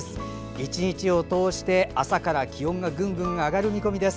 １日を通して朝から気温がぐんぐん上がる見込みです。